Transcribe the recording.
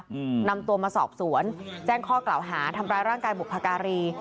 อืมนำตัวมาสอบสวนแจ้งข้อกล่าวหาทำร้ายร่างกายบุพการี